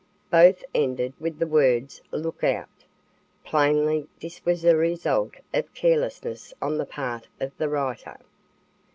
Both ended with the words "Look Out." Plainly this was a result of carelessness on the part of the writer.